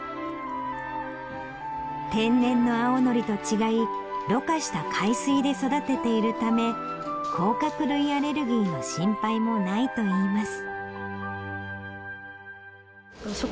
天然の青のりと違いろ過した海水で育てているため甲殻類アレルギーの心配もないといいます。